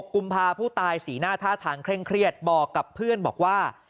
กุมภาพผู้ตายสีหน้าท่าทางเคร่งเครียดบอกกับเพื่อนบอกว่า